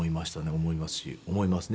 思いますし思いますね